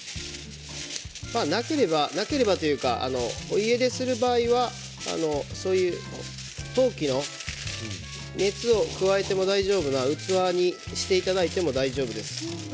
なければ、家でする場合は陶器の熱を加えても大丈夫な器にしていただいても大丈夫です。